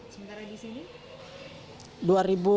sementara di sini